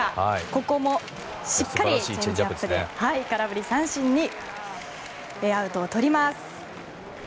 ここもしっかりチェンジアップで空振り三振でアウトをとります。